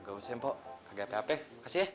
gak usah mpok kaget apa apa kasih ya